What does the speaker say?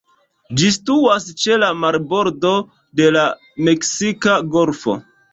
Ĝi situas ĉe la marbordo de la Meksika Golfo.